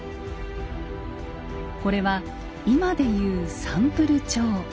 これは今で言うサンプル帳。